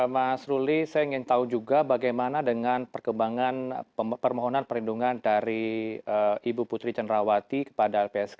mas ruli saya ingin tahu juga bagaimana dengan perkembangan permohonan perlindungan dari ibu putri cenrawati kepada lpsk